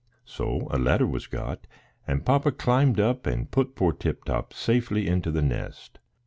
So a ladder was got, and papa climbed up and put poor Tip Top safely into the nest.